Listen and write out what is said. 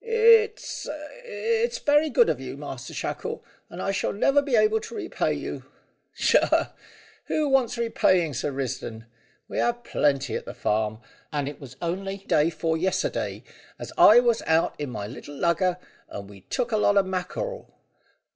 "It's it's very good of you, Master Shackle, and I shall never be able to repay you." "Tchah! Who wants repaying, Sir Risdon? We have plenty at the farm, and it was on'y day 'fore yes'day as I was out in my little lugger, and we'd took a lot o' mackrel!